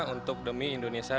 untuk demi indonesia